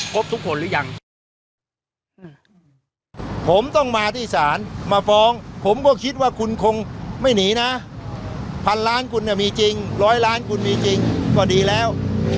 ผมต้องมาที่ศาลมาฟ้องผมก็คิดว่าคุณคงไม่หนีนะพันล้านคุณก็มีจริงร้อยล้านคุณมีจริงก็ดีแล้ว